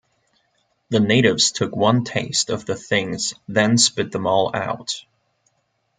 The natives took one taste of the things then spit them all out.